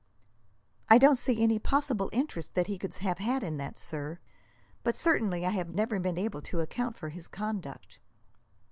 "I don't see any possible interest that he could have had in that, sir; but, certainly, I have never been able to account for his conduct."